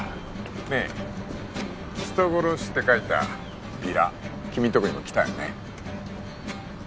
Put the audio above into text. ねえ人殺しって書いたビラ君んとこにも来たよね？